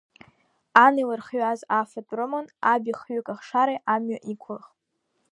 Ан илырхиаз афатә рыманы, аби хҩык ахшареи амҩа иқәлахт.